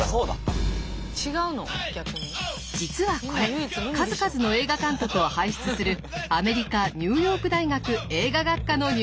実はこれ数々の映画監督を輩出するアメリカニューヨーク大学映画学科の入試問題。